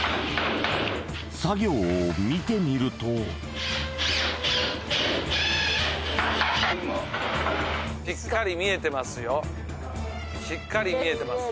作業を見てみるとしっかり見えてますよ